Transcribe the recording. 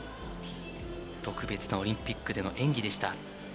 特別なオリンピックでの演技でした。